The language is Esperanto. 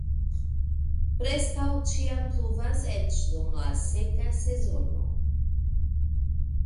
Preskaŭ ĉiam pluvas eĉ dum la seka sezono.